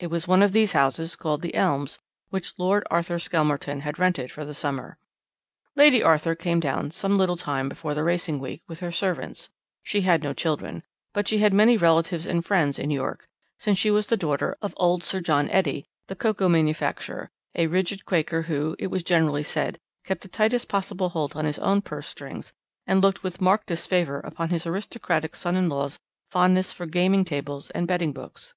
It was one of these houses, called 'The Elms,' which Lord Arthur Skelmerton had rented for the summer. "Lady Arthur came down some little time before the racing week with her servants she had no children; but she had many relatives and friends in York, since she was the daughter of old Sir John Etty, the cocoa manufacturer, a rigid Quaker, who, it was generally said, kept the tightest possible hold on his own purse strings and looked with marked disfavour upon his aristocratic son in law's fondness for gaming tables and betting books.